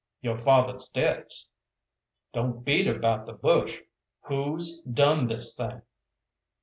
"Yo' father's debts." "Don't beat about the bush who's done this thing?"